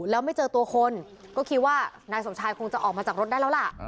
แล้วไม่เจอตัวคนก็คิดว่านายสมชายคงจะออกมาจากรถได้แล้วล่ะ